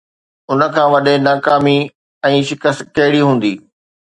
ان کان وڏي ناڪامي ۽ شڪست ڪهڙي هوندي؟